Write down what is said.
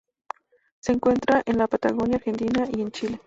Se encuentra en la Patagonia, Argentina y en Chile.